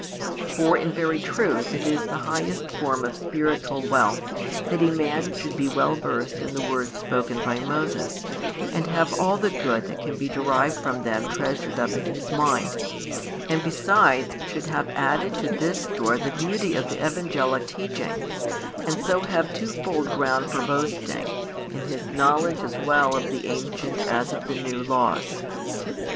For in very truth it is the highest form of spiritual wealth, that a man should be |217 well versed in the words spoken by Moses, and have all the good that can be derived from them treasured up in his mind, and besides should have added to this store the beauty of the evangelic teaching, and so have twofold ground for boasting, in his knowledge as well of the ancient as of the new laws.